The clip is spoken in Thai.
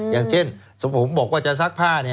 อย่างเช่นสมมุติบอกว่าจะซักผ้า